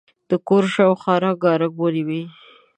د کور شاوخوا رنګارنګ ونې وې.